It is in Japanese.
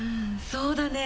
そうだね。